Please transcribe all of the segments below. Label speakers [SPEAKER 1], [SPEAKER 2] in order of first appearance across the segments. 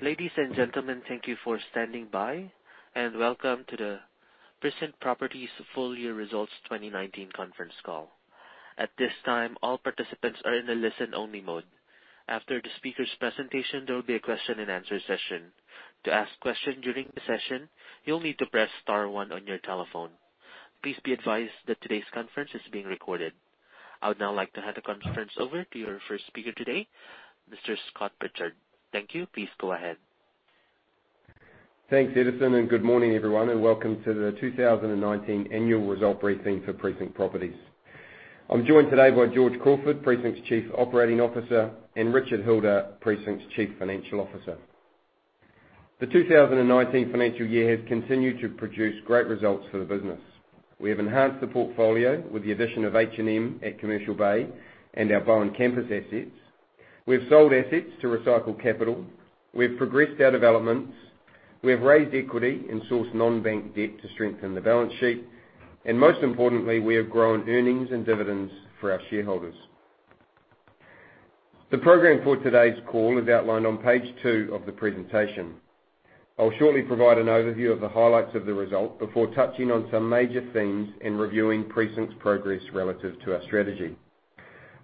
[SPEAKER 1] Ladies and gentlemen, thank you for standing by, and welcome to the Precinct Properties Full Year Results 2019 conference call. At this time, all participants are in a listen-only mode. After the speaker's presentation, there will be a question and answer session. To ask questions during the session, you will need to press star one on your telephone. Please be advised that today's conference is being recorded. I would now like to hand the conference over to your first speaker today, Mr. Scott Pritchard. Thank you. Please go ahead.
[SPEAKER 2] Thanks, Edison, good morning, everyone, and welcome to the 2019 annual result briefing for Precinct Properties. I'm joined today by George Crawford, Precinct's Chief Operating Officer, and Richard Hilder, Precinct's Chief Financial Officer. The 2019 financial year has continued to produce great results for the business. We have enhanced the portfolio with the addition of H&M at Commercial Bay and our Bowen Campus assets. We've sold assets to recycle capital. We've progressed our developments. We have raised equity and sourced non-bank debt to strengthen the balance sheet. Most importantly, we have grown earnings and dividends for our shareholders. The program for today's call is outlined on page two of the presentation. I will shortly provide an overview of the highlights of the result before touching on some major themes and reviewing Precinct's progress relative to our strategy.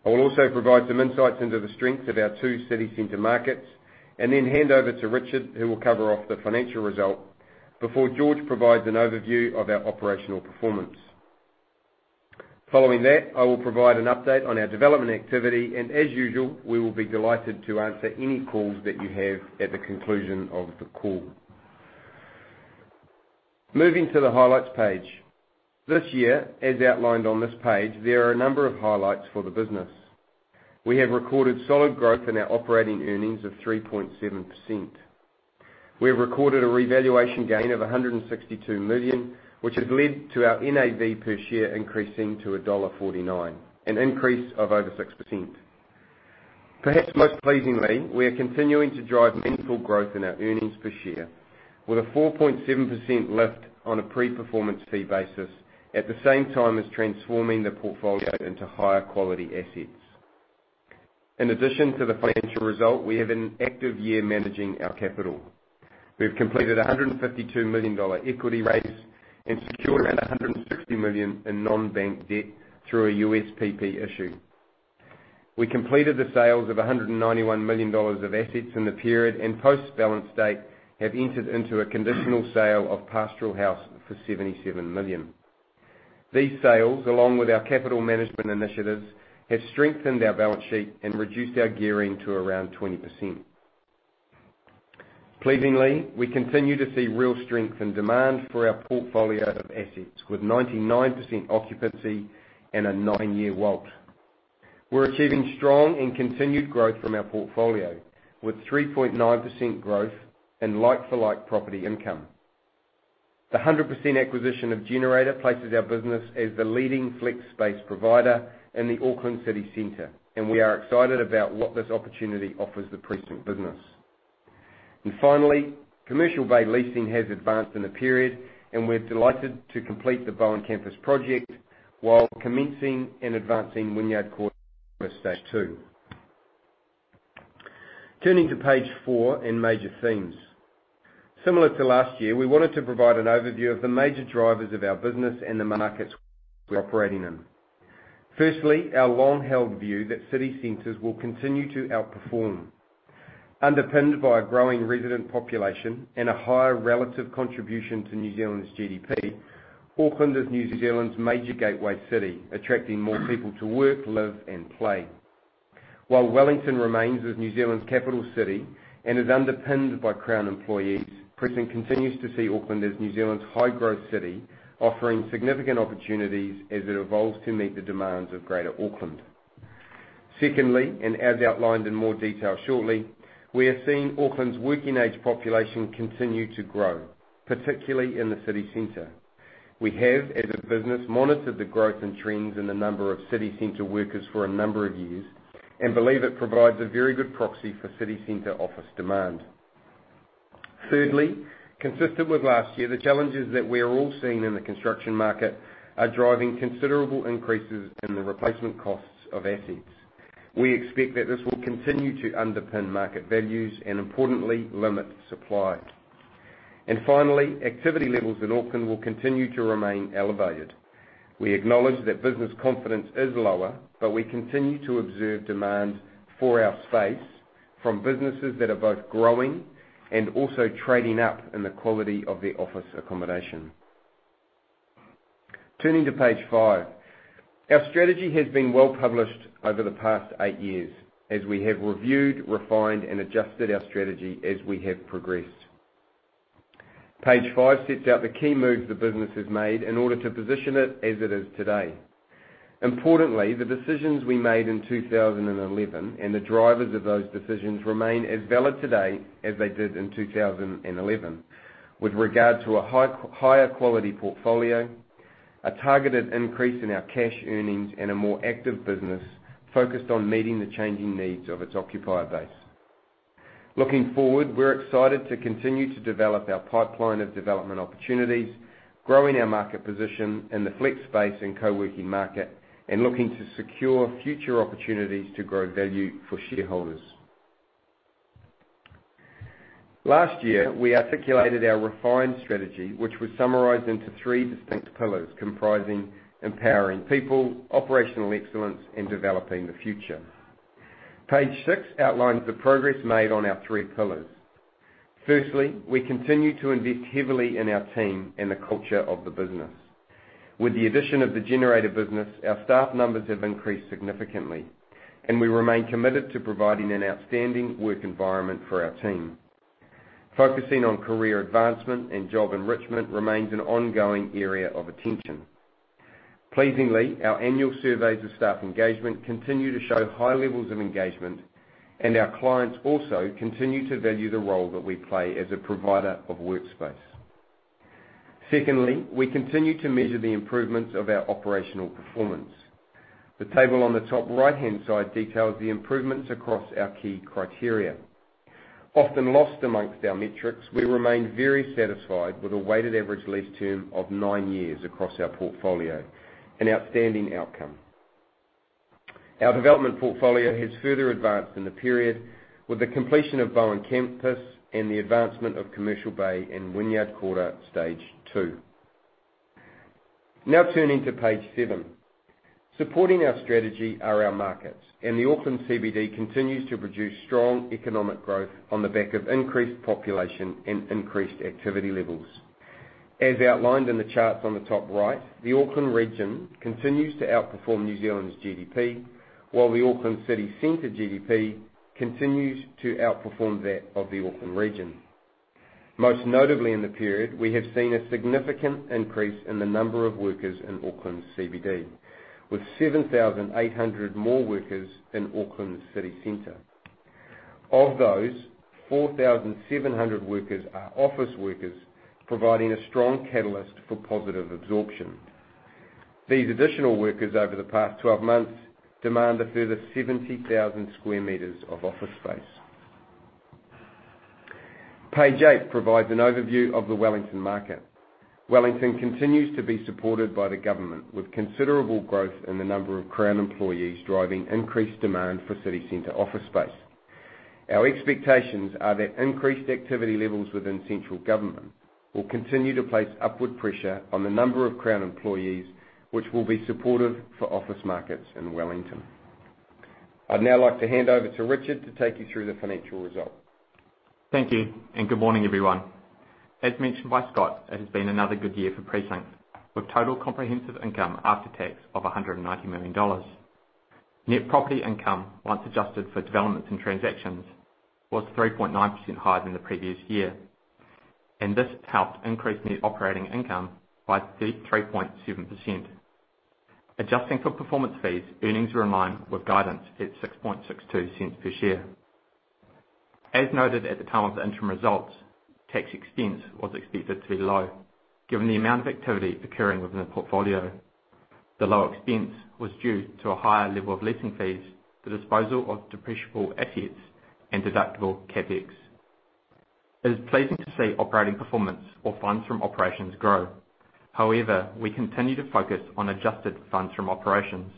[SPEAKER 2] I will also provide some insights into the strengths of our two city center markets and then hand over to Richard, who will cover off the financial result before George provides an overview of our operational performance. Following that, I will provide an update on our development activity, and as usual, we will be delighted to answer any calls that you have at the conclusion of the call. Moving to the highlights page. This year, as outlined on this page, there are a number of highlights for the business. We have recorded solid growth in our operating earnings of 3.7%. We have recorded a revaluation gain of 162 million, which has led to our NAV per share increasing to dollar 1.49, an increase of over 6%. Perhaps most pleasingly, we are continuing to drive meaningful growth in our earnings per share with a 4.7% lift on a pre-performance fee basis, at the same time as transforming the portfolio into higher quality assets. In addition to the financial result, we have an active year managing our capital. We've completed 152 million dollar equity raise and secured around 160 million in non-bank debt through a USPP issue. We completed the sales of 191 million dollars of assets in the period, and post-balance date have entered into a conditional sale of Pastoral House for 77 million. These sales, along with our capital management initiatives, have strengthened our balance sheet and reduced our gearing to around 20%. Pleasingly, we continue to see real strength and demand for our portfolio of assets with 99% occupancy and a nine-year WALT. We're achieving strong and continued growth from our portfolio, with 3.9% growth and like-for-like property income. The 100% acquisition of Generator places our business as the leading flex space provider in the Auckland city center. We are excited about what this opportunity offers the Precinct business. Finally, Commercial Bay leasing has advanced in the period, and we're delighted to complete the Bowen Campus project while commencing and advancing Wynyard Quarter Stage 2. Turning to page four and major themes. Similar to last year, we wanted to provide an overview of the major drivers of our business and the markets we're operating in. Firstly, our long-held view that city centers will continue to outperform. Underpinned by a growing resident population and a higher relative contribution to New Zealand's GDP, Auckland is New Zealand's major gateway city, attracting more people to work, live, and play. While Wellington remains as New Zealand's capital city and is underpinned by Crown employees, Precinct continues to see Auckland as New Zealand's high-growth city, offering significant opportunities as it evolves to meet the demands of greater Auckland. Secondly, as outlined in more detail shortly, we are seeing Auckland's working-age population continue to grow, particularly in the city center. We have, as a business, monitored the growth and trends in the number of city center workers for a number of years and believe it provides a very good proxy for city center office demand. Thirdly, consistent with last year, the challenges that we are all seeing in the construction market are driving considerable increases in the replacement costs of assets. We expect that this will continue to underpin market values and importantly, limit supply. Finally, activity levels in Auckland will continue to remain elevated. We acknowledge that business confidence is lower, but we continue to observe demand for our space from businesses that are both growing and also trading up in the quality of their office accommodation. Turning to page five. Our strategy has been well published over the past eight years as we have reviewed, refined, and adjusted our strategy as we have progressed. Page five sets out the key moves the business has made in order to position it as it is today. Importantly, the decisions we made in 2011 and the drivers of those decisions remain as valid today as they did in 2011 with regard to a higher quality portfolio, a targeted increase in our cash earnings, and a more active business focused on meeting the changing needs of its occupier base. Looking forward, we're excited to continue to develop our pipeline of development opportunities, growing our market position in the flex space and co-working market, and looking to secure future opportunities to grow value for shareholders. Last year, we articulated our refined strategy, which was summarized into three distinct pillars comprising empowering people, operational excellence, and developing the future. Page six outlines the progress made on our three pillars. Firstly, we continue to invest heavily in our team and the culture of the business. With the addition of the Generator business, our staff numbers have increased significantly, and we remain committed to providing an outstanding work environment for our team. Focusing on career advancement and job enrichment remains an ongoing area of attention. Pleasingly, our annual surveys of staff engagement continue to show high levels of engagement, and our clients also continue to value the role that we play as a provider of workspace. Secondly, we continue to measure the improvements of our operational performance. The table on the top right-hand side details the improvements across our key criteria. Often lost amongst our metrics, we remain very satisfied with a weighted average lease term of nine years across our portfolio, an outstanding outcome. Our development portfolio has further advanced in the period with the completion of Bowen Campus and the advancement of Commercial Bay and Wynyard Quarter stage 2. Turning to page seven. Supporting our strategy are our markets, and the Auckland CBD continues to produce strong economic growth on the back of increased population and increased activity levels. As outlined in the charts on the top right, the Auckland region continues to outperform New Zealand's GDP, while the Auckland city center GDP continues to outperform that of the Auckland region. Most notably in the period, we have seen a significant increase in the number of workers in Auckland CBD, with 7,800 more workers in Auckland city center. Of those, 4,700 workers are office workers, providing a strong catalyst for positive absorption. These additional workers over the past 12 months demand a further 70,000 sq m of office space. Page eight provides an overview of the Wellington market. Wellington continues to be supported by the government, with considerable growth in the number of Crown employees driving increased demand for city center office space. Our expectations are that increased activity levels within central government will continue to place upward pressure on the number of Crown employees, which will be supportive for office markets in Wellington. I'd now like to hand over to Richard to take you through the financial result.
[SPEAKER 3] Thank you. Good morning, everyone. As mentioned by Scott, it has been another good year for Precinct, with total comprehensive income after tax of 190 million dollars. Net property income, once adjusted for developments and transactions, was 3.9% higher than the previous year, and this helped increase net operating income by 33.7%. Adjusting for performance fees, earnings were in line with guidance at 0.0662 per share. As noted at the time of the interim results, tax expense was expected to be low, given the amount of activity occurring within the portfolio. The lower expense was due to a higher level of leasing fees, the disposal of depreciable assets, and deductible CapEx. It is pleasing to see operating performance or funds from operations grow. We continue to focus on adjusted funds from operations.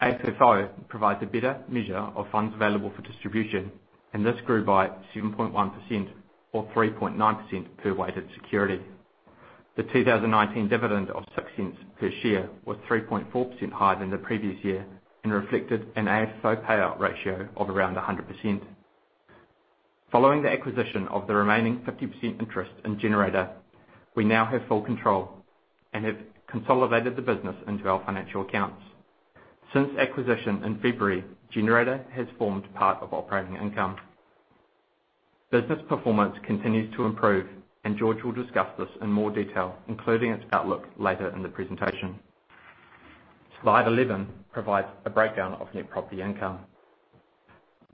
[SPEAKER 3] AFFO provides a better measure of funds available for distribution, and this grew by 7.1% or 3.9% per weighted security. The 2019 dividend of 0.06 per share was 3.4% higher than the previous year and reflected an AFFO payout ratio of around 100%. Following the acquisition of the remaining 50% interest in Generator, we now have full control and have consolidated the business into our financial accounts. Since acquisition in February, Generator has formed part of operating income. Business performance continues to improve, and George will discuss this in more detail, including its outlook later in the presentation. Slide 11 provides a breakdown of net property income.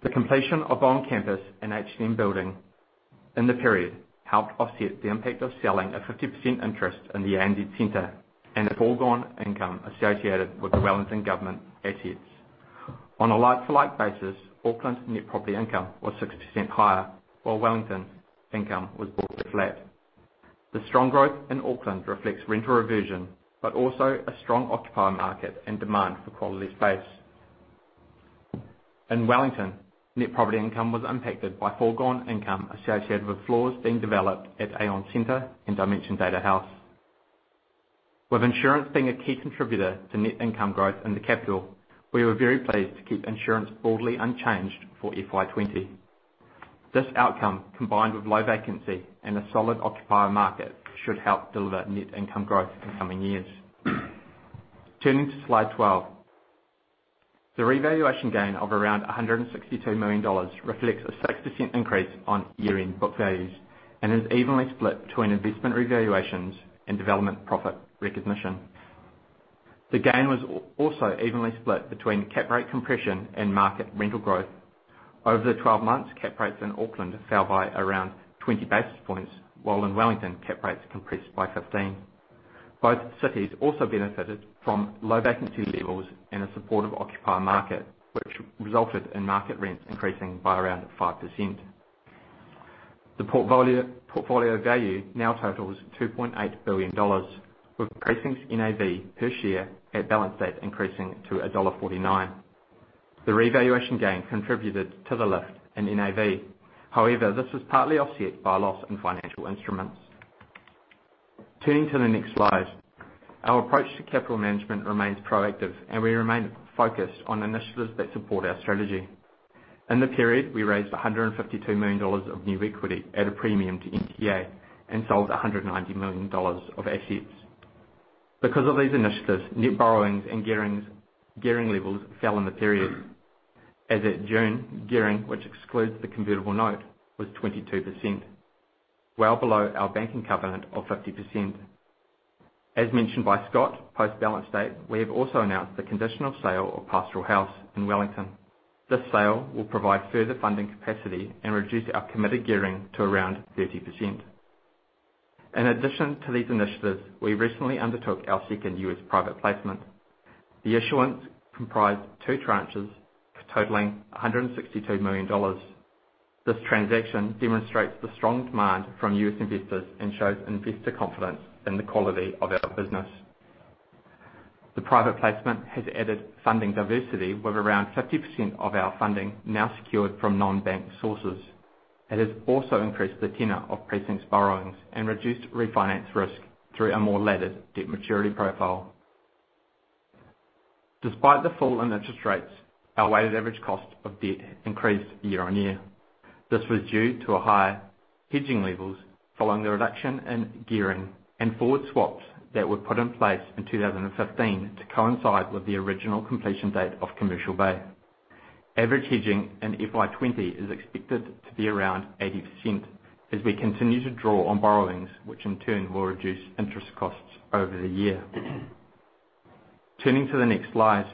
[SPEAKER 3] The completion of Bowen Campus and H&M Building in the period helped offset the impact of selling a 50% interest in the ANZ Centre and the foregone income associated with the Wellington government assets. On a like-to-like basis, Auckland's net property income was 6% higher, while Wellington's income was mostly flat. The strong growth in Auckland reflects rental revision, also a strong occupier market and demand for quality space. In Wellington, net property income was impacted by foregone income associated with floors being developed at Aon Centre and Dimension Data House. With insurance being a key contributor to net income growth in the capital, we were very pleased to keep insurance broadly unchanged for FY 2020. This outcome, combined with low vacancy and a solid occupier market, should help deliver net income growth in coming years. Turning to slide 12. The revaluation gain of around 162 million dollars reflects a 6% increase on year-end book values and is evenly split between investment revaluations and development profit recognition. The gain was also evenly split between cap rate compression and market rental growth. Over the 12 months, cap rates in Auckland fell by around 20 basis points, while in Wellington, cap rates compressed by 15. Both cities also benefited from low vacancy levels and a supportive occupier market, which resulted in market rents increasing by around 5%. The portfolio value now totals 2.8 billion dollars, with Precinct's NAV per share at balance date increasing to dollar 1.49. The revaluation gain contributed to the lift in NAV. However, this was partly offset by a loss in financial instruments. Turning to the next slide. Our approach to capital management remains proactive. We remain focused on initiatives that support our strategy. In the period, we raised NZD 152 million of new equity at a premium to NTA and sold NZD 190 million of assets. Because of these initiatives, net borrowings and gearing levels fell in the period. As at June, gearing, which excludes the convertible note, was 22%, well below our banking covenant of 50%. As mentioned by Scott, post-balance date, we have also announced the conditional sale of Pastoral House in Wellington. This sale will provide further funding capacity and reduce our committed gearing to around 30%. In addition to these initiatives, we recently undertook our second US private placement. The issuance comprised two tranches totaling $162 million. This transaction demonstrates the strong demand from US investors and shows investor confidence in the quality of our business. The private placement has added funding diversity, with around 50% of our funding now secured from non-bank sources. It has also increased the tenure of Precinct's borrowings and reduced refinance risk through a more laddered debt maturity profile. Despite the fall in interest rates, our weighted average cost of debt increased year-over-year. This was due to higher hedging levels following the reduction in gearing and forward swaps that were put in place in 2015 to coincide with the original completion date of Commercial Bay. Average hedging in FY 2020 is expected to be around 80% as we continue to draw on borrowings, which in turn will reduce interest costs over the year. Turning to the next slide.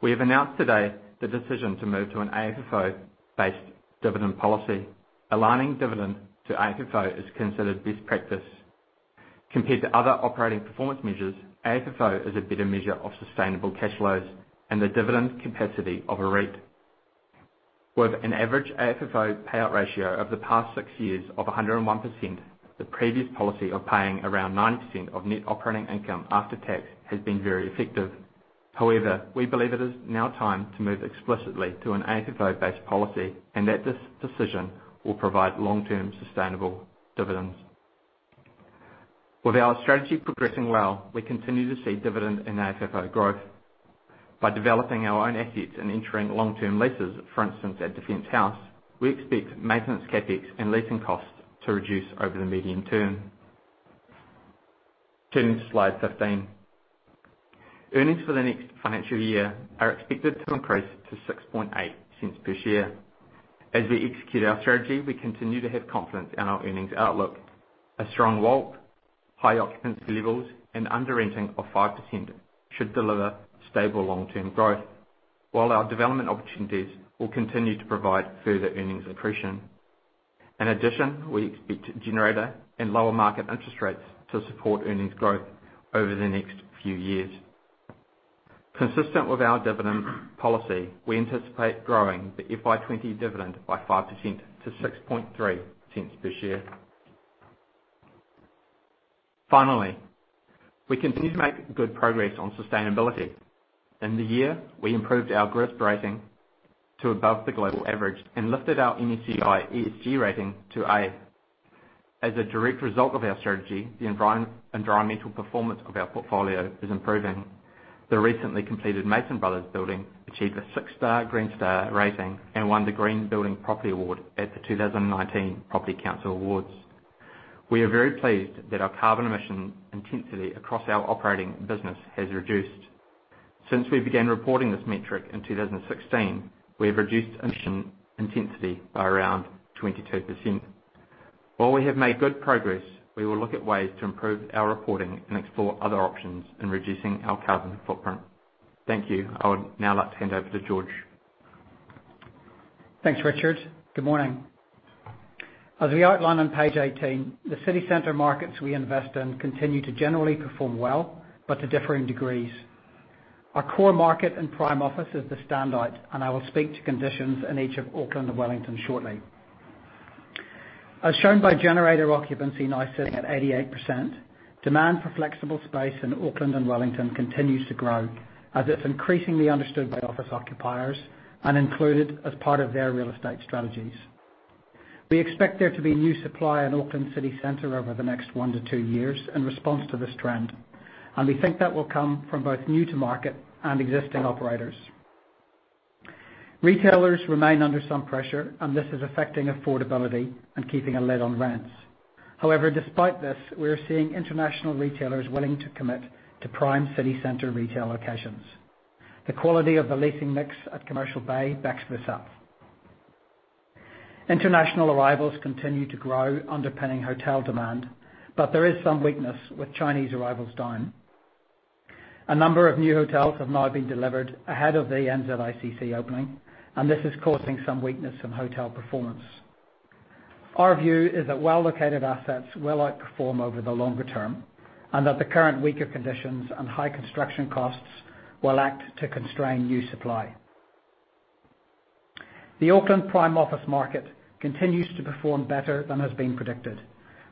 [SPEAKER 3] We have announced today the decision to move to an AFFO-based dividend policy. Aligning dividend to AFFO is considered best practice. Compared to other operating performance measures, AFFO is a better measure of sustainable cash flows and the dividend capacity of a REIT. With an average AFFO payout ratio of the past six years of 101%, the previous policy of paying around 90% of net operating income after tax has been very effective. We believe it is now time to move explicitly to an AFFO-based policy and that this decision will provide long-term sustainable dividends. With our strategy progressing well, we continue to see dividend and AFFO growth. By developing our own assets and entering long-term leases, for instance, at Defence House, we expect maintenance CapEx and leasing costs to reduce over the medium term. Turning to slide 15. Earnings for the next financial year are expected to increase to 0.068 per share. We execute our strategy, we continue to have confidence in our earnings outlook. A strong WALT, high occupancy levels, and under-renting of 5% should deliver stable long-term growth, while our development opportunities will continue to provide further earnings accretion. In addition, we expect Generator and lower market interest rates to support earnings growth over the next few years. Consistent with our dividend policy, we anticipate growing the FY 2020 dividend by 5% to 0.063 per share. Finally, we continue to make good progress on sustainability. In the year, we improved our GRESB rating to above the global average and lifted our MSCI ESG rating to A. As a direct result of our strategy, the environmental performance of our portfolio is improving. The recently completed Mason Brothers building achieved a 6-star Green Star rating and won the Green Building Property Award at the 2019 Property Council Awards. We are very pleased that our carbon emission intensity across our operating business has reduced. Since we began reporting this metric in 2016, we have reduced emission intensity by around 22%. While we have made good progress, we will look at ways to improve our reporting and explore other options in reducing our carbon footprint. Thank you. I would now like to hand over to George.
[SPEAKER 4] Thanks, Richard. Good morning. As we outline on page 18, the city center markets we invest in continue to generally perform well, but to differing degrees. Our core market and prime office is the standout, and I will speak to conditions in each of Auckland and Wellington shortly. As shown by Generator occupancy now sitting at 88%, demand for flexible space in Auckland and Wellington continues to grow as it's increasingly understood by office occupiers and included as part of their real estate strategies. We expect there to be new supply in Auckland City Center over the next one to two years in response to this trend, and we think that will come from both new to market and existing operators. Retailers remain under some pressure, and this is affecting affordability and keeping a lid on rents. Despite this, we are seeing international retailers willing to commit to prime city center retail locations. The quality of the leasing mix at Commercial Bay backs this up. International arrivals continue to grow, underpinning hotel demand, but there is some weakness, with Chinese arrivals down. A number of new hotels have now been delivered ahead of the NZICC opening, and this is causing some weakness in hotel performance. Our view is that well-located assets will outperform over the longer term and that the current weaker conditions and high construction costs will act to constrain new supply. The Auckland Prime office market continues to perform better than has been predicted,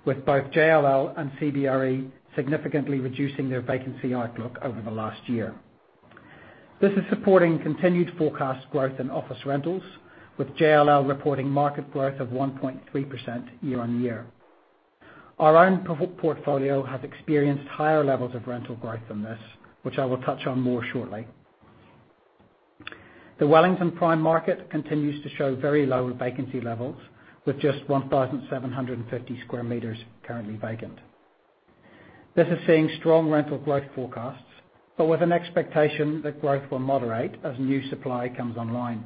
[SPEAKER 4] with both JLL and CBRE significantly reducing their vacancy outlook over the last year. This is supporting continued forecast growth in office rentals, with JLL reporting market growth of 1.3% year-on-year. Our own portfolio has experienced higher levels of rental growth than this, which I will touch on more shortly. The Wellington Prime market continues to show very low vacancy levels with just 1,750 sq m currently vacant. This is seeing strong rental growth forecasts, but with an expectation that growth will moderate as new supply comes online.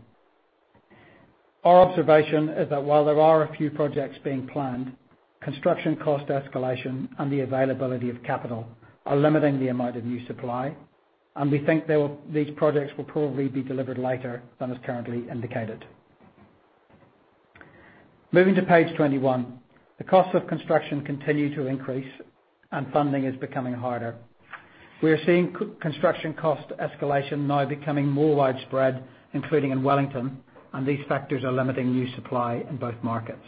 [SPEAKER 4] Our observation is that while there are a few projects being planned, construction cost escalation and the availability of capital are limiting the amount of new supply, and we think these projects will probably be delivered later than is currently indicated. Moving to page 21. The cost of construction continues to increase, and funding is becoming harder. We are seeing construction cost escalation now becoming more widespread, including in Wellington, and these factors are limiting new supply in both markets.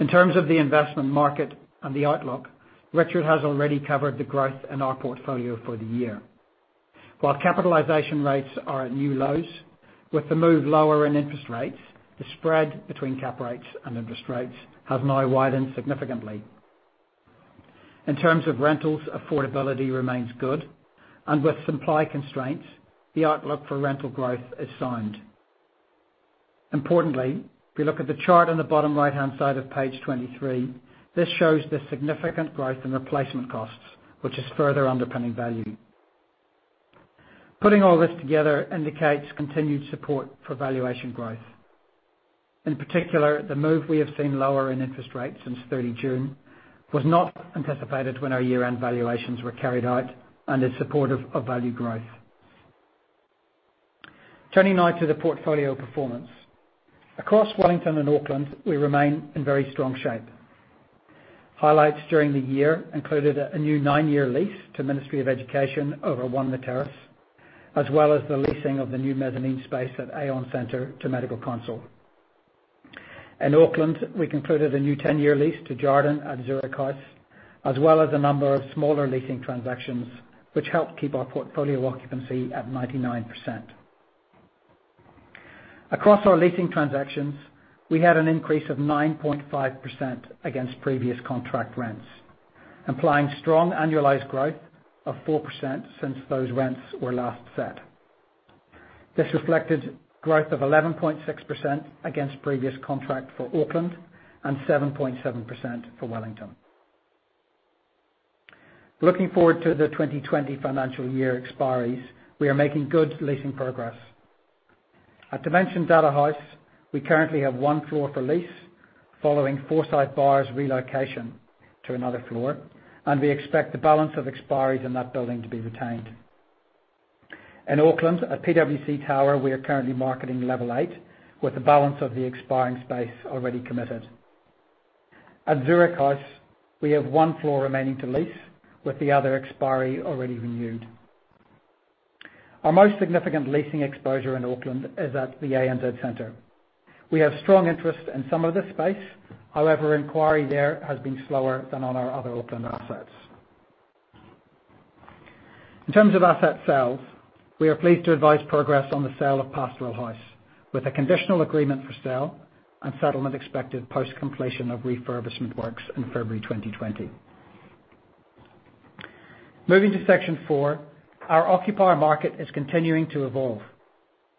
[SPEAKER 4] In terms of the investment market and the outlook, Richard has already covered the growth in our portfolio for the year. While capitalization rates are at new lows, with the move lower in interest rates, the spread between cap rates and interest rates has now widened significantly. In terms of rentals, affordability remains good, and with supply constraints, the outlook for rental growth is sound. Importantly, if you look at the chart on the bottom right-hand side of page 23, this shows the significant growth in replacement costs, which is further underpinning value. Putting all this together indicates continued support for valuation growth. In particular, the move we have seen lower in interest rates since 30 June was not anticipated when our year-end valuations were carried out and is supportive of value growth. Turning now to the portfolio performance. Across Wellington and Auckland, we remain in very strong shape. Highlights during the year included a new nine-year lease to Ministry of Education over 1 The Terrace, as well as the leasing of the new mezzanine space at Aon Centre to Medical Council. In Auckland, we concluded a new 10-year lease to Jarden at Zurich House, as well as a number of smaller leasing transactions, which helped keep our portfolio occupancy at 99%. Across our leasing transactions, we had an increase of 9.5% against previous contract rents, implying strong annualized growth of 4% since those rents were last set. This reflected growth of 11.6% against previous contract for Auckland and 7.7% for Wellington. Looking forward to the 2020 financial year expiries, we are making good leasing progress. At Dimension Data House, we currently have one floor for lease following Forsyth Barr's relocation to another floor, and we expect the balance of expiries in that building to be retained. In Auckland, at PwC Tower, we are currently marketing level 8, with the balance of the expiring space already committed. At Zurich House, we have one floor remaining to lease, with the other expiry already renewed. Our most significant leasing exposure in Auckland is at the ANZ Centre. However, inquiry there has been slower than on our other Auckland assets. In terms of asset sales, we are pleased to advise progress on the sale of Pastoral House with a conditional agreement for sale and settlement expected post completion of refurbishment works in February 2020. Moving to section 4, our occupier market is continuing to evolve.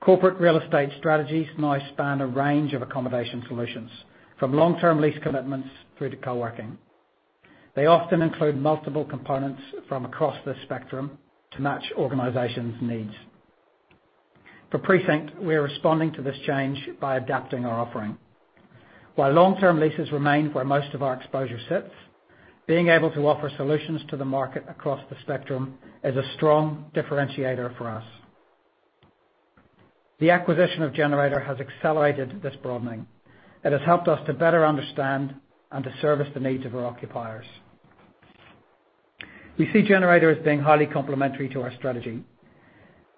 [SPEAKER 4] Corporate real estate strategies now span a range of accommodation solutions, from long-term lease commitments through to co-working. They often include multiple components from across the spectrum to match organizations' needs. For Precinct, we are responding to this change by adapting our offering. While long-term leases remain where most of our exposure sits, being able to offer solutions to the market across the spectrum is a strong differentiator for us. The acquisition of Generator has accelerated this broadening. It has helped us to better understand and to service the needs of our occupiers. We see Generator as being highly complementary to our strategy.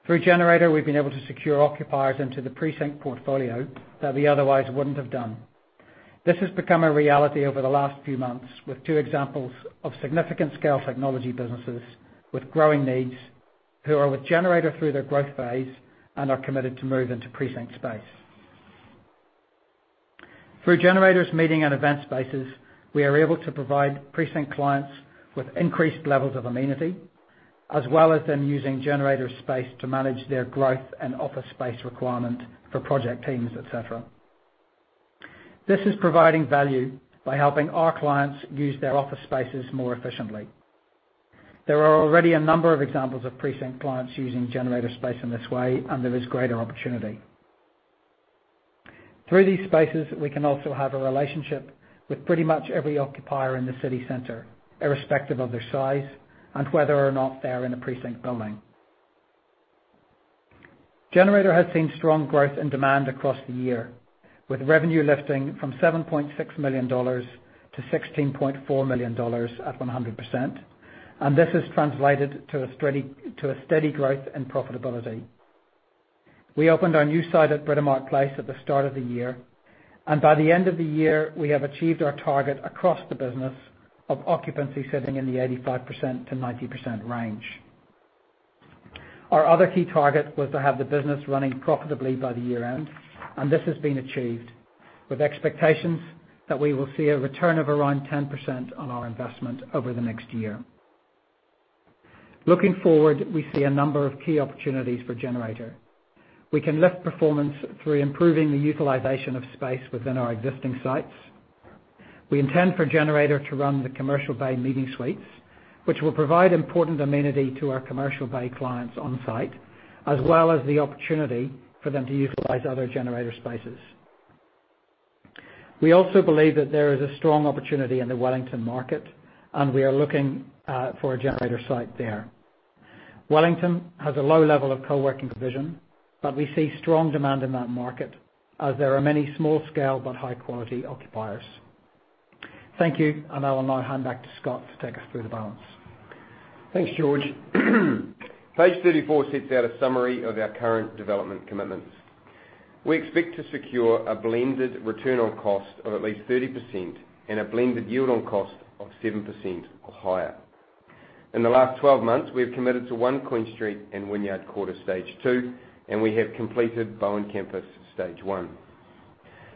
[SPEAKER 4] Through Generator, we've been able to secure occupiers into the Precinct portfolio that we otherwise wouldn't have done. This has become a reality over the last few months with two examples of significant scale technology businesses with growing needs, who are with Generator through their growth phase and are committed to move into Precinct space. Through Generator's meeting and event spaces, we are able to provide Precinct clients with increased levels of amenity, as well as them using Generator space to manage their growth and office space requirement for project teams, et cetera. This is providing value by helping our clients use their office spaces more efficiently. There are already a number of examples of Precinct clients using Generator space in this way, and there is greater opportunity. Through these spaces, we can also have a relationship with pretty much every occupier in the city center, irrespective of their size and whether or not they are in a Precinct building. Generator has seen strong growth and demand across the year. With revenue lifting from 7.6 million dollars to 16.4 million dollars at 100%. This has translated to a steady growth and profitability. We opened our new site at Britomart Place at the start of the year. By the end of the year, we have achieved our target across the business of occupancy sitting in the 85%-90% range. Our other key target was to have the business running profitably by the year-end. This has been achieved, with expectations that we will see a return of around 10% on our investment over the next year. Looking forward, we see a number of key opportunities for Generator. We can lift performance through improving the utilization of space within our existing sites. We intend for Generator to run the Commercial Bay meeting suites, which will provide important amenity to our Commercial Bay clients on-site, as well as the opportunity for them to utilize other Generator spaces. We also believe that there is a strong opportunity in the Wellington market, and we are looking for a Generator site there. Wellington has a low level of co-working provision, but we see strong demand in that market as there are many small scale but high-quality occupiers. Thank you, and I will now hand back to Scott to take us through the balance.
[SPEAKER 2] Thanks, George. Page 34 sets out a summary of our current development commitments. We expect to secure a blended return on cost of at least 30% and a blended yield on cost of 7% or higher. In the last 12 months, we have committed to One Queen Street and Wynyard Quarter Stage 2, and we have completed Bowen Campus Stage 1.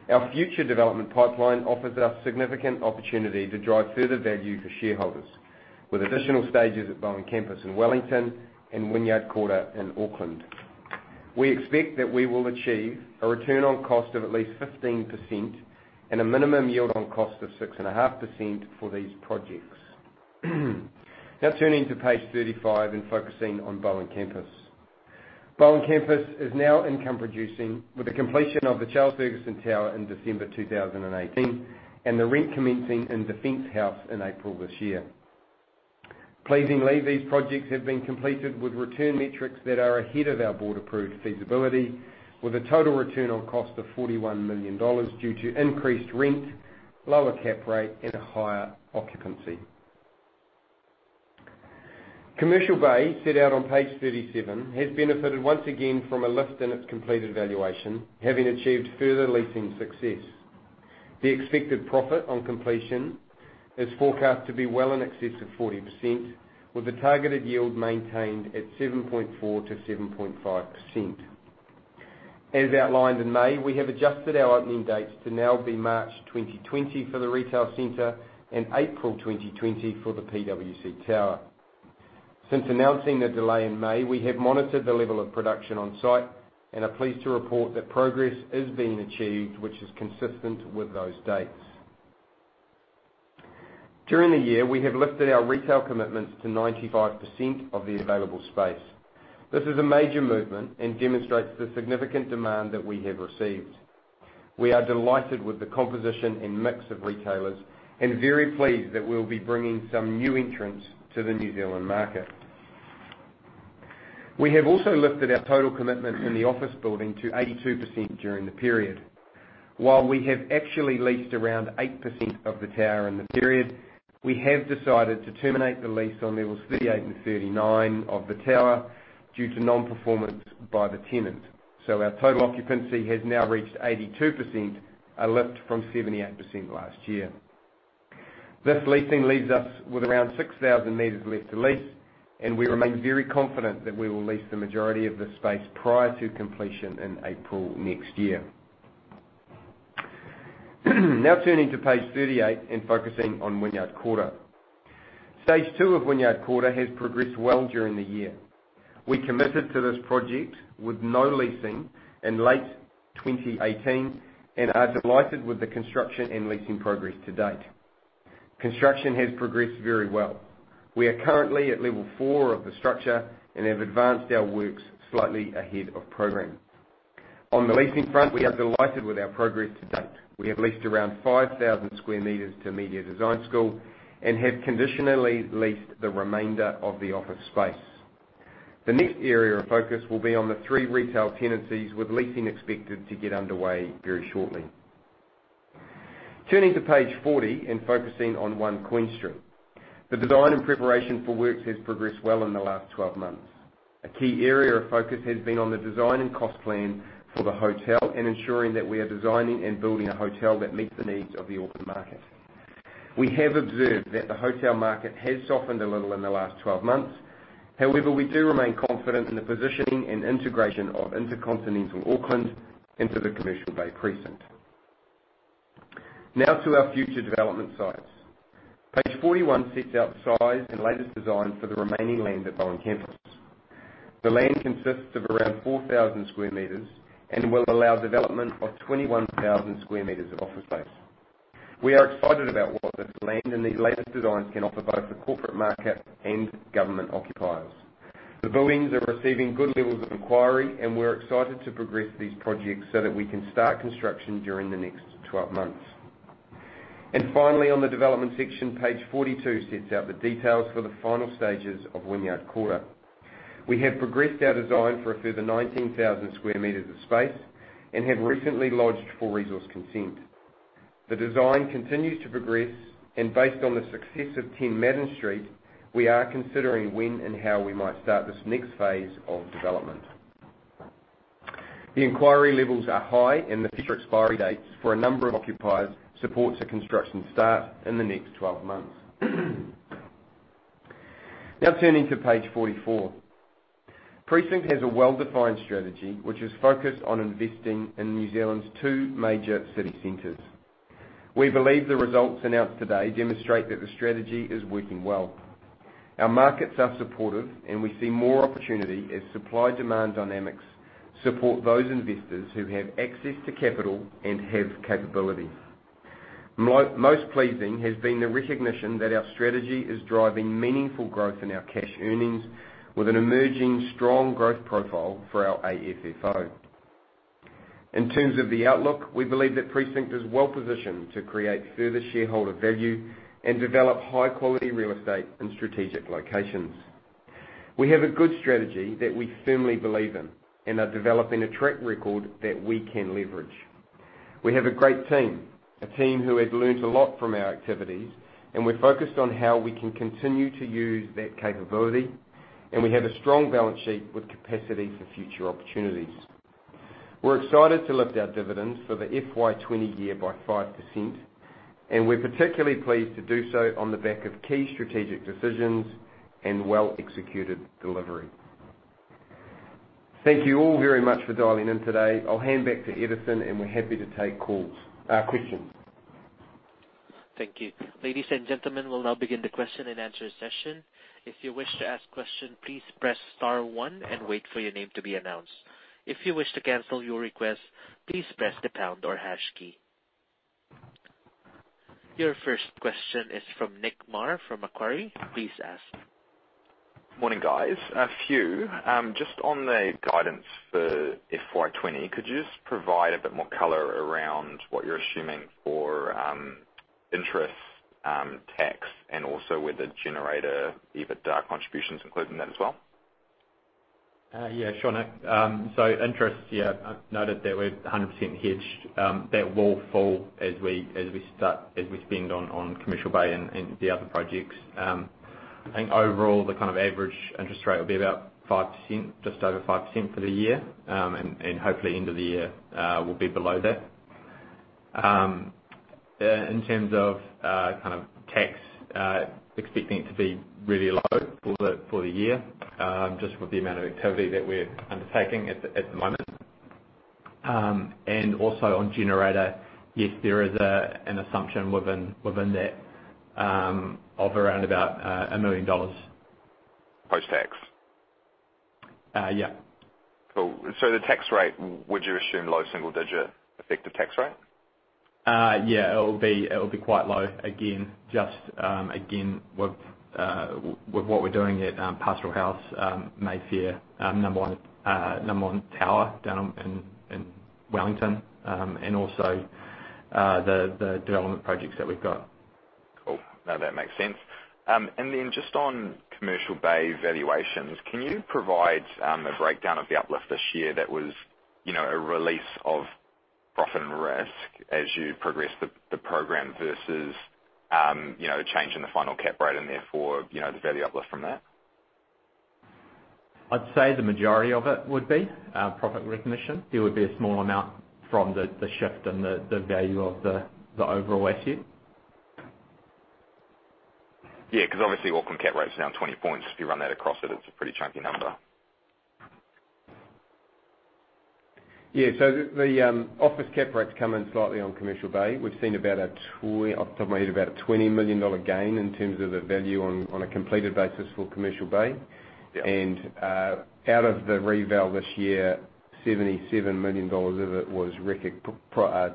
[SPEAKER 2] Our future development pipeline offers us significant opportunity to drive further value for shareholders, with additional stages at Bowen Campus in Wellington and Wynyard Quarter in Auckland. We expect that we will achieve a return on cost of at least 15% and a minimum yield on cost of 6.5% for these projects. Now turning to page 35 and focusing on Bowen Campus. Bowen Campus is now income producing with the completion of the Charles Fergusson Tower in December 2018, and the rent commencing in Defence House in April this year. Pleasingly, these projects have been completed with return metrics that are ahead of our board-approved feasibility, with a total return on cost of 41 million dollars due to increased rent, lower cap rate, and higher occupancy. Commercial Bay, set out on page 37, has benefited once again from a lift in its completed valuation, having achieved further leasing success. The expected profit on completion is forecast to be well in excess of 40%, with the targeted yield maintained at 7.4%-7.5%. As outlined in May, we have adjusted our opening dates to now be March 2020 for the retail center and April 2020 for the PwC Tower. Since announcing the delay in May, we have monitored the level of production on site and are pleased to report that progress is being achieved, which is consistent with those dates. During the year, we have lifted our retail commitments to 95% of the available space. This is a major movement and demonstrates the significant demand that we have received. We are delighted with the composition and mix of retailers and very pleased that we'll be bringing some new entrants to the New Zealand market. We have also lifted our total commitment in the office building to 82% during the period. While we have actually leased around 8% of the tower in the period, we have decided to terminate the lease on levels 38 and 39 of the tower due to non-performance by the tenant. Our total occupancy has now reached 82%, a lift from 78% last year. This leasing leaves us with around 6,000 meters left to lease, and we remain very confident that we will lease the majority of this space prior to completion in April next year. Now turning to page 38 and focusing on Wynyard Quarter. Stage 2 of Wynyard Quarter has progressed well during the year. We committed to this project with no leasing in late 2018 and are delighted with the construction and leasing progress to date. Construction has progressed very well. We are currently at level 4 of the structure and have advanced our works slightly ahead of program. On the leasing front, we are delighted with our progress to date. We have leased around 5,000 square meters to Media Design School and have conditionally leased the remainder of the office space. The next area of focus will be on the three retail tenancies, with leasing expected to get underway very shortly. Turning to page 40 and focusing on One Queen Street. The design and preparation for works has progressed well in the last 12 months. A key area of focus has been on the design and cost plan for the hotel and ensuring that we are designing and building a hotel that meets the needs of the Auckland market. We have observed that the hotel market has softened a little in the last 12 months. However, we do remain confident in the positioning and integration of InterContinental Auckland into the Commercial Bay precinct. Now to our future development sites. Page 41 sets out the size and latest design for the remaining land at Bowen Campus. The land consists of around 4,000 square meters and will allow development of 21,000 square meters of office space. We are excited about what this land and the latest designs can offer both the corporate market and government occupiers. The buildings are receiving good levels of inquiry, and we're excited to progress these projects so that we can start construction during the next 12 months. Finally, on the development section, page 42 sets out the details for the final stages of Wynyard Quarter. We have progressed our design for a further 19,000 square meters of space and have recently lodged for resource consent. The design continues to progress and based on the success of 10 Madden Street, we are considering when and how we might start this next phase of development. The inquiry levels are high, and the expiry dates for a number of occupiers supports a construction start in the next 12 months. Now turning to page 44. Precinct has a well-defined strategy which is focused on investing in New Zealand's two major city centers. We believe the results announced today demonstrate that the strategy is working well. Our markets are supportive, and we see more opportunity as supply-demand dynamics support those investors who have access to capital and have capabilities. Most pleasing has been the recognition that our strategy is driving meaningful growth in our cash earnings with an emerging strong growth profile for our AFFO. In terms of the outlook, we believe that Precinct is well-positioned to create further shareholder value and develop high-quality real estate in strategic locations. We have a good strategy that we firmly believe in and are developing a track record that we can leverage. We have a great team, a team who has learned a lot from our activities, and we're focused on how we can continue to use that capability, and we have a strong balance sheet with capacity for future opportunities. We're excited to lift our dividends for the FY 2020 year by 5%, and we're particularly pleased to do so on the back of key strategic decisions and well-executed delivery. Thank you all very much for dialing in today. I'll hand back to Edison. We're happy to take questions.
[SPEAKER 1] Thank you. Ladies and gentlemen, we'll now begin the question and answer session. If you wish to ask question, please press star one and wait for your name to be announced. If you wish to cancel your request, please press the pound or hash key. Your first question is from Nick Marr from Macquarie. Please ask.
[SPEAKER 5] Morning, guys. Just on the guidance for FY 2020, could you just provide a bit more color around what you're assuming for interest, tax, and also with the Generator, the EBITDA contribution's included in that as well?
[SPEAKER 3] Yeah. Sure, Nick. Interest, yeah, noted that we're 100% hedged. That will fall as we spend on Commercial Bay and the other projects. I think overall, the average interest rate will be about 5%, just over 5% for the year. Hopefully end of the year, we'll be below that. In terms of tax, expecting it to be really low for the year, just with the amount of activity that we're undertaking at the moment. Also on Generator, yes, there is an assumption within that of around about 1 million dollars.
[SPEAKER 5] Post-tax?
[SPEAKER 3] Yeah.
[SPEAKER 5] The tax rate, would you assume low double digit effective tax rate?
[SPEAKER 3] Yeah. It'll be quite low. Again, with what we're doing at Pastoral House, Mayfair, Number One Tower down in Wellington, and also the development projects that we've got.
[SPEAKER 5] Cool. No, that makes sense. Just on Commercial Bay valuations, can you provide a breakdown of the uplift this year that was a release of profit and risk as you progress the program versus a change in the final cap rate and therefore, the value uplift from that?
[SPEAKER 3] I'd say the majority of it would be profit recognition. It would be a small amount from the shift and the value of the overall WSU.
[SPEAKER 5] Yeah, because obviously Auckland cap rate's now 20 points. If you run that across it's a pretty chunky number.
[SPEAKER 3] Yeah. The office cap rates come in slightly on Commercial Bay. We've seen off the top of my head, about a 20 million dollar gain in terms of the value on a completed basis for Commercial Bay.
[SPEAKER 5] Yeah.
[SPEAKER 2] Out of the reval this year, 77 million dollars of it was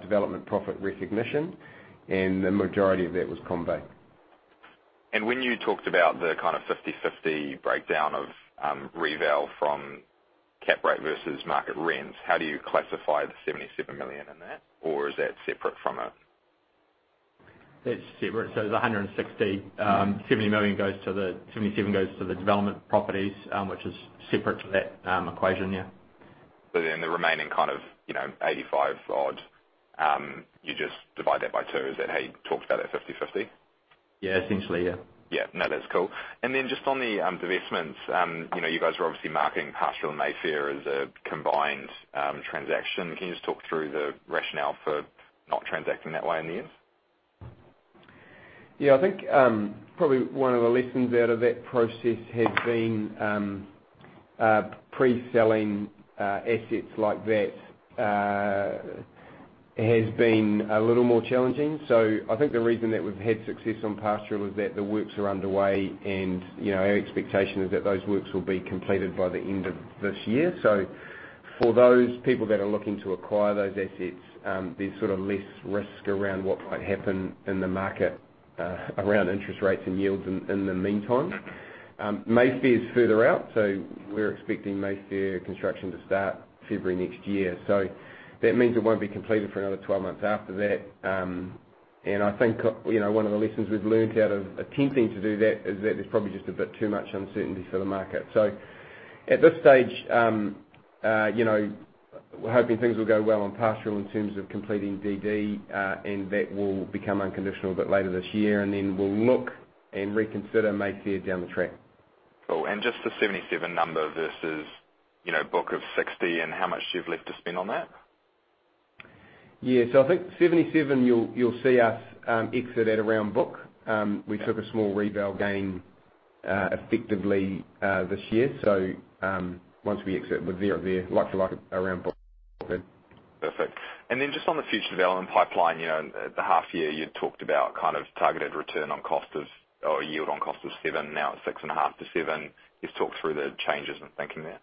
[SPEAKER 2] development profit recognition, and the majority of that was ComBay.
[SPEAKER 5] When you talked about the 50/50 breakdown of reval from cap rate versus market rents, how do you classify the 77 million in that? Or is that separate from it?
[SPEAKER 3] That's separate. It's 160. 77 goes to the development properties, which is separate to that equation, yeah.
[SPEAKER 5] The remaining 85 odd, you just divide that by two. Is that how you talked about that 50/50?
[SPEAKER 3] Yeah. Essentially, yeah.
[SPEAKER 5] Yeah. No, that's cool. Just on the divestments, you guys are obviously marking Pastoral and Mayfair as a combined transaction. Can you just talk through the rationale for not transacting that way in the end?
[SPEAKER 2] Yeah. I think probably one of the lessons out of that process has been pre-selling assets like that has been a little more challenging. I think the reason that we've had success on Pastoral is that the works are underway and our expectation is that those works will be completed by the end of this year. For those people that are looking to acquire those assets, there's less risk around what might happen in the market around interest rates and yields in the meantime. Mayfair is further out. We're expecting Mayfair construction to start February next year. That means it won't be completed for another 12 months after that. I think one of the lessons we've learned out of attempting to do that is that there's probably just a bit too much uncertainty for the market. At this stage, we're hoping things will go well on Pastoral House in terms of completing DD, and that will become unconditional a bit later this year. We'll look and reconsider Mayfair down the track.
[SPEAKER 5] Cool. Just the 77 number versus book of 60 and how much do you have left to spend on that?
[SPEAKER 2] Yeah. I think 77, you'll see us exit at around book. We took a small reval gain, effectively, this year. Once we exit, we'll be right there, like for like around book then.
[SPEAKER 5] Perfect. Then just on the future development pipeline. At the half year, you talked about targeted return on cost of or yield on cost of seven, now at six and a half to seven. Just talk through the changes in thinking there.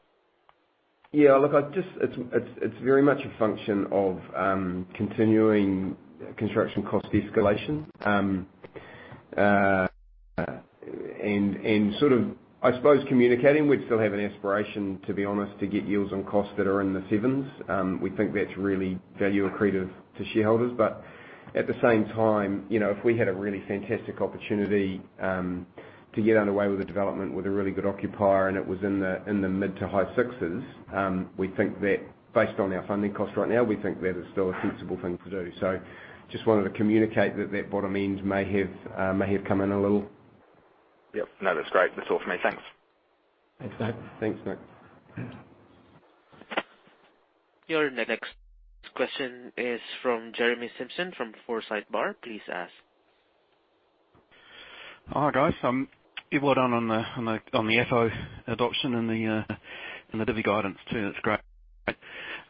[SPEAKER 2] Yeah, look, it's very much a function of continuing construction cost escalation. I suppose communicating, we'd still have an aspiration, to be honest, to get yields on costs that are in the 7s. We think that's really value accretive to shareholders. At the same time, if we had a really fantastic opportunity to get underway with a development with a really good occupier, and it was in the mid to high 6s, based on our funding cost right now, we think that is still a sensible thing to do. Just wanted to communicate that that bottom end may have come in a little.
[SPEAKER 5] Yep. No, that's great. That's all from me. Thanks.
[SPEAKER 2] Thanks, Nick.
[SPEAKER 1] Your next question is from Jeremy Simpson from Forsyth Barr. Please ask.
[SPEAKER 6] Hi, guys. Well done on the AFFO adoption and the divvy guidance too. That's great.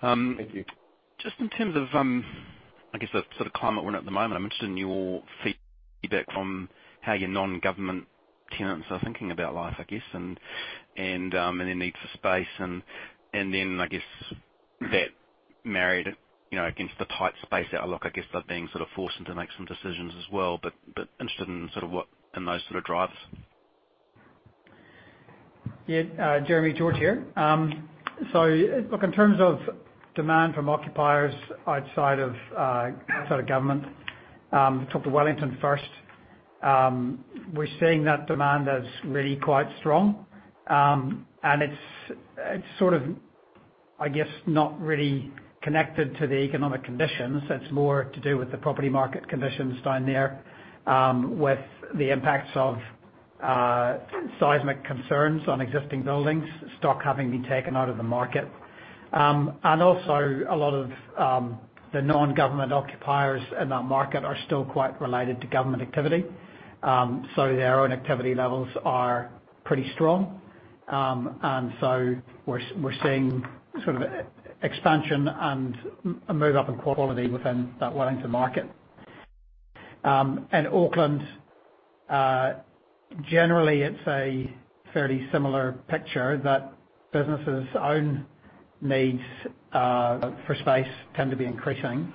[SPEAKER 2] Thank you.
[SPEAKER 6] Just in terms of, I guess, the sort of climate we're in at the moment, I'm interested in your feedback from how your non-government tenants are thinking about life, I guess, and their needs for space and then, I guess, that married against the tight space outlook. I guess they're being forced into make some decisions as well. Interested in those sort of drives.
[SPEAKER 4] Yeah. Jeremy, George here. Look, in terms of demand from occupiers outside of government, talk to Wellington first. We're seeing that demand as really quite strong. It's, I guess, not really connected to the economic conditions. It's more to do with the property market conditions down there, with the impacts of seismic concerns on existing buildings, stock having been taken out of the market. Also a lot of the non-government occupiers in that market are still quite related to government activity. Their own activity levels are pretty strong. We're seeing expansion and a move up in quality within that Wellington market. In Auckland, generally, it's a fairly similar picture that businesses' own needs for space tend to be increasing.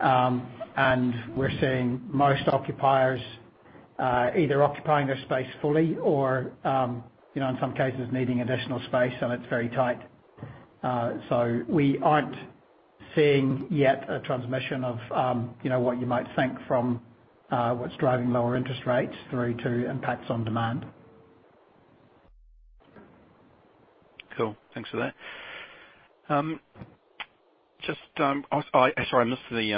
[SPEAKER 4] We're seeing most occupiers either occupying their space fully or, in some cases, needing additional space, and it's very tight. We aren't seeing yet a transmission of what you might think from what's driving lower interest rates through to impacts on demand.
[SPEAKER 6] Cool. Thanks for that. Sorry, I missed the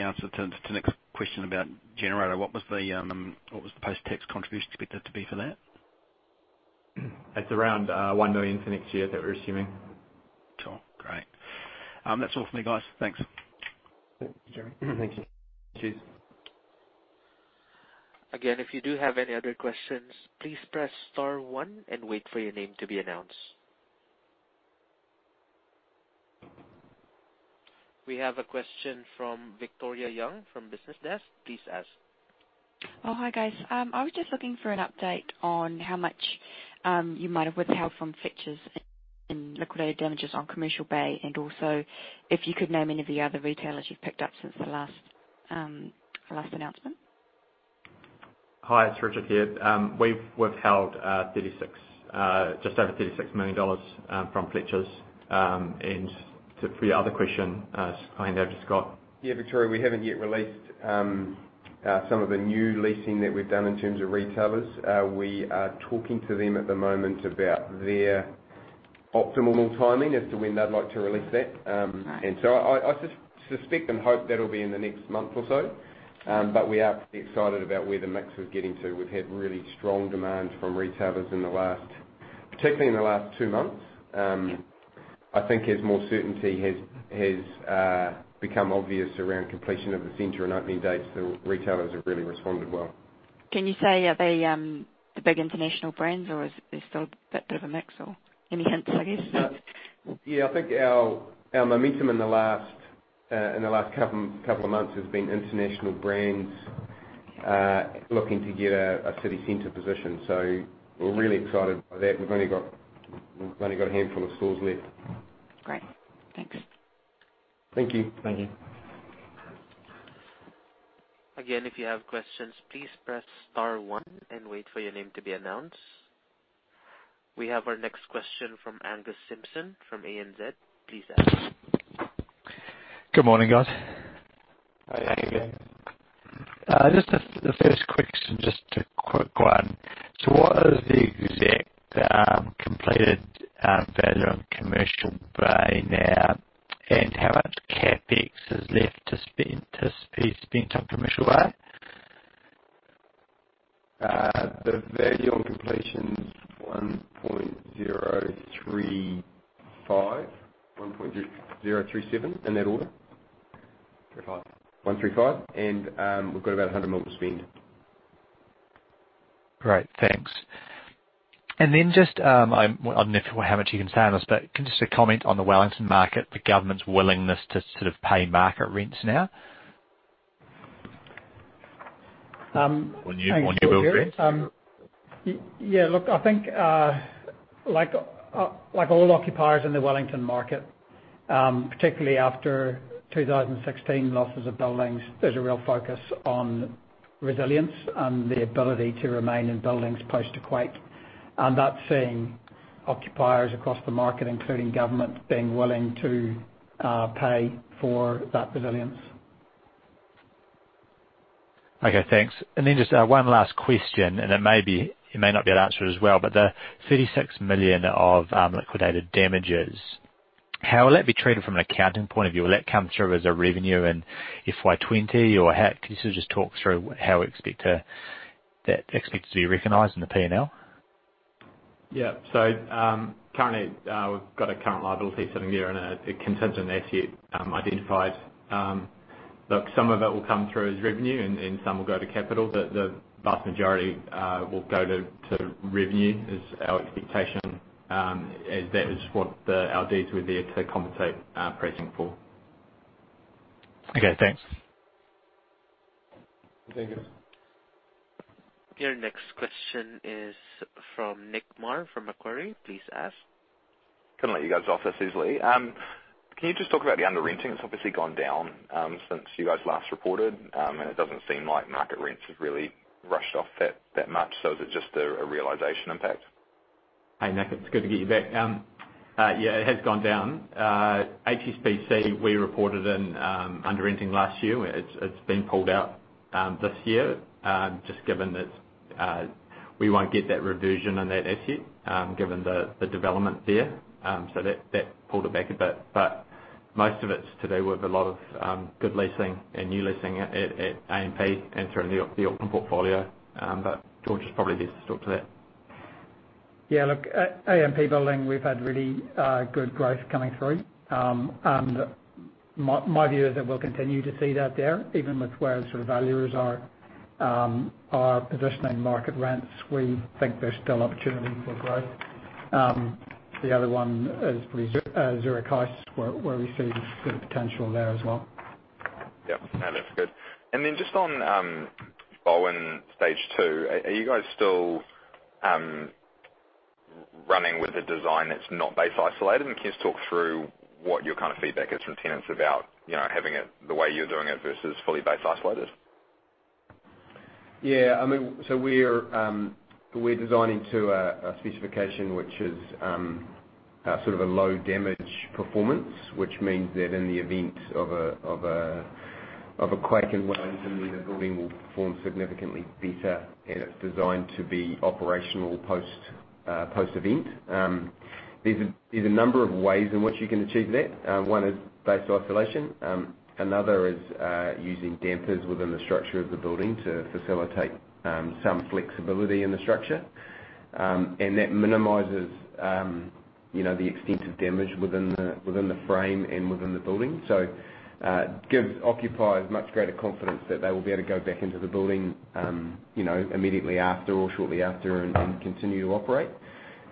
[SPEAKER 6] answer to Nick's question about Generator. What was the post-tax contribution expected to be for that?
[SPEAKER 3] It's around 1 million for next year that we're assuming.
[SPEAKER 6] Cool. Great. That's all from me, guys. Thanks.
[SPEAKER 2] Thanks, Jeremy.
[SPEAKER 6] Thank you.
[SPEAKER 2] Cheers.
[SPEAKER 1] If you do have any other questions, please press star one and wait for your name to be announced. We have a question from Victoria Young from BusinessDesk. Please ask.
[SPEAKER 7] Hi guys. I was just looking for an update on how much you might have withheld from Fletchers in liquidated damages on Commercial Bay, and also if you could name any of the other retailers you've picked up since the last announcement?
[SPEAKER 3] Hi, it's Richard here. We've withheld just over 36 million dollars from Fletchers. To your other question, I'll hand over to Scott.
[SPEAKER 2] Yeah, Victoria, we haven't yet released some of the new leasing that we've done in terms of retailers. We are talking to them at the moment about their optimal timing as to when they'd like to release that.
[SPEAKER 7] Right.
[SPEAKER 2] I suspect and hope that'll be in the next month or so. We are pretty excited about where the mix is getting to. We've had really strong demand from retailers, particularly in the last two months. I think as more certainty has become obvious around completion of the center and opening dates, the retailers have really responded well.
[SPEAKER 7] Can you say, are they the big international brands, or is there still a bit of a mix? Any hints, I guess?
[SPEAKER 2] I think our momentum in the last couple of months has been international brands looking to get a city center position. We're really excited by that. We've only got a handful of stores left.
[SPEAKER 7] Great. Thanks.
[SPEAKER 2] Thank you. Thank you.
[SPEAKER 1] Again, if you have questions, please press star one and wait for your name to be announced. We have our next question from Angus Simpson from ANZ. Please ask.
[SPEAKER 8] Good morning, guys.
[SPEAKER 3] Hi, Angus.
[SPEAKER 8] Just the first quick question, just a quick one. What is the exact completed value on Commercial Bay now, and how much CapEx is left to be spent on Commercial Bay?
[SPEAKER 3] The value on completion is 1.035, 1.037. In that order. Three five. 135. We've got about 100 million to spend.
[SPEAKER 8] Great. Thanks. Just, I don't know how much you can say on this, but can you just comment on the Wellington market, the government's willingness to pay market rents now?
[SPEAKER 3] One you, George.
[SPEAKER 4] Yeah. Look, I think, like all occupiers in the Wellington market, particularly after 2016 losses of buildings, there's a real focus on resilience and the ability to remain in buildings post-quake. That's seeing occupiers across the market, including government, being willing to pay for that resilience.
[SPEAKER 8] Okay, thanks. Just one last question. It may not be able to answered as well. The 36 million of liquidated damages, how will that be treated from an accounting point of view? Will that come through as a revenue in FY 2020? Can you just talk through how we expect that to be recognized in the P&L?
[SPEAKER 3] Yeah. Currently, we've got a current liability sitting there and a contingent asset identified. Look, some of it will come through as revenue and some will go to capital, but the vast majority will go to revenue, is our expectation, as that is what the LDs were there to compensate Precinct for.
[SPEAKER 8] Okay, thanks.
[SPEAKER 3] Thank you.
[SPEAKER 1] Your next question is from Nick Marr from Macquarie. Please ask.
[SPEAKER 5] Can't let you guys off this easily. Can you just talk about the under-renting? It's obviously gone down since you guys last reported. It doesn't seem like market rents have really rushed off that much. Is it just a realization impact?
[SPEAKER 3] Hey, Nick, it's good to get you back. Yeah, it has gone down. HSBC, we reported an under-renting last year. It's been pulled out this year, just given that we won't get that reversion on that asset, given the development there. That pulled it back a bit. Most of it's to do with a lot of good leasing and new leasing at AMP and through the Auckland portfolio. George is probably best to talk to that.
[SPEAKER 4] Yeah, look, at AMP Centre, we've had really good growth coming through. My view is that we'll continue to see that there, even with where valuers are positioning market rents. We think there's still opportunity for growth. The other one is probably Zurich House, where we see good potential there as well.
[SPEAKER 5] Yeah. No, that's good. Just on Bowen Stage 2, are you guys still running with a design that's not base isolated? Can you just talk through what your feedback is from tenants about having it the way you're doing it versus fully base isolated?
[SPEAKER 2] Yeah. We're designing to a specification which is a low damage performance, which means that in the event of an earthquake in Wellington, the building will perform significantly better, and it's designed to be operational post-event. There's a number of ways in which you can achieve that. One is base isolation. Another is using dampers within the structure of the building to facilitate some flexibility in the structure. That minimizes the extent of damage within the frame and within the building. It gives occupiers much greater confidence that they will be able to go back into the building immediately after or shortly after and continue to operate.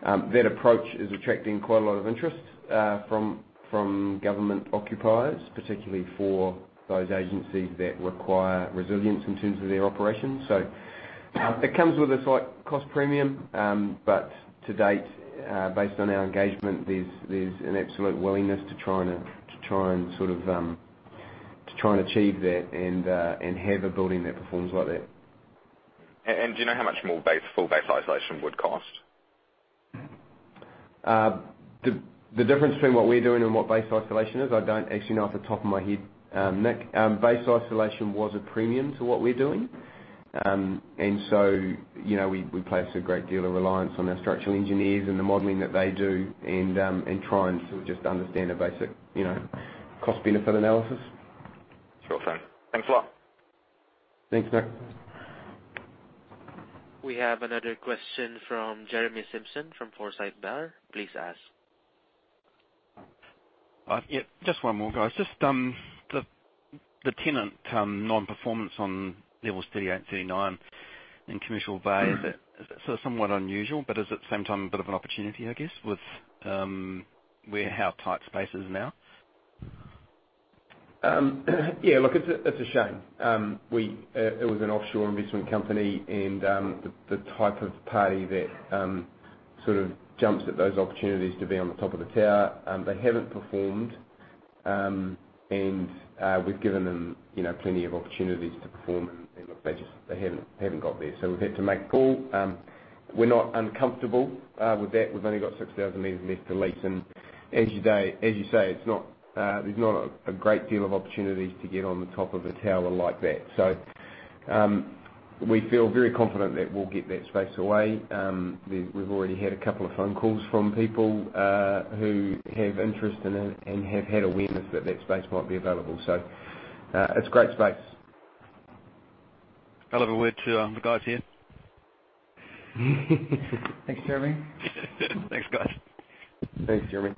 [SPEAKER 2] That approach is attracting quite a lot of interest from government occupiers, particularly for those agencies that require resilience in terms of their operations. It comes with a slight cost premium. To date, based on our engagement, there's an absolute willingness to try and achieve that and have a building that performs like that.
[SPEAKER 5] Do you know how much more full base isolation would cost?
[SPEAKER 2] The difference between what we're doing and what base isolation is, I don't actually know off the top of my head, Nick. Base isolation was a premium to what we're doing. We place a great deal of reliance on our structural engineers and the modeling that they do and try and just understand a basic cost-benefit analysis.
[SPEAKER 5] That's cool. Thanks. Thanks a lot.
[SPEAKER 3] Thanks, Nick.
[SPEAKER 1] We have another question from Jeremy Simpson from Forsyth Barr. Please ask.
[SPEAKER 6] Yeah. Just one more, guys. Just the tenant non-performance on levels 38, 39 in Commercial Bay, is that somewhat unusual, but is it at the same time a bit of an opportunity, I guess, with how tight space is now?
[SPEAKER 2] Look, it's a shame. It was an offshore investment company and the type of party that jumps at those opportunities to be on the top of the tower. They haven't performed, and we've given them plenty of opportunities to perform, and they haven't got there. We've had to make call. We're not uncomfortable with that. We've only got 6,000 meters left to lease. As you say, there's not a great deal of opportunities to get on the top of a tower like that. We feel very confident that we'll get that space away. We've already had a couple of phone calls from people who have interest in it and have had awareness that that space might be available. It's a great space.
[SPEAKER 6] Hell of a word to the guys here.
[SPEAKER 4] Thanks, Jeremy.
[SPEAKER 6] Thanks, guys.
[SPEAKER 2] Thanks, Jeremy.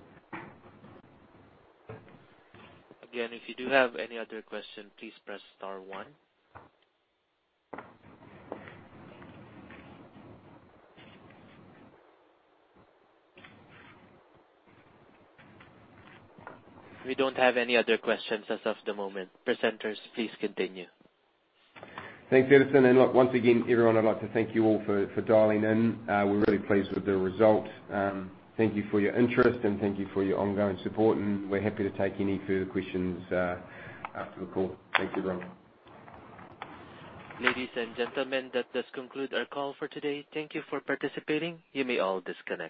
[SPEAKER 1] Again, if you do have any other question, please press star one. We don't have any other questions as of the moment. Presenters, please continue.
[SPEAKER 2] Thanks, Edison. Look, once again, everyone, I'd like to thank you all for dialing in. We're really pleased with the result. Thank you for your interest, and thank you for your ongoing support, and we're happy to take any further questions after the call. Thank you, everyone.
[SPEAKER 1] Ladies and gentlemen, that does conclude our call for today. Thank you for participating. You may all disconnect.